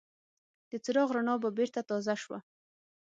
د څراغ رڼا به بېرته تازه شوه.